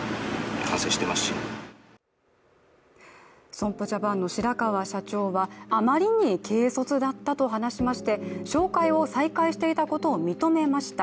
損保ジャパンの白川社長はあまりに軽率だったと話しまして紹介を再開していたことを認めました。